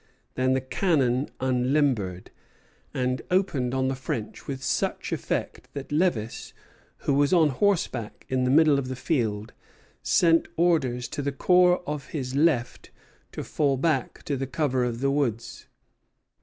Then the cannon unlimbered, and opened on the French with such effect that Lévis, who was on horseback in the middle of the field, sent orders to the corps of his left to fall back to the cover of the woods.